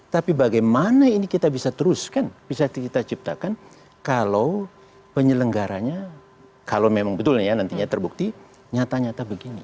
tapi bagaimana ini kita bisa teruskan bisa kita ciptakan kalau penyelenggaranya kalau memang betul ya nantinya terbukti nyata nyata begini